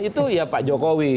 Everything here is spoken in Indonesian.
itu ya pak jokowi